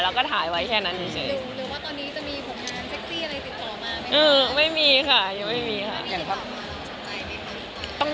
เราก็ถ่ายไว้แค่นั้นชนิดนึง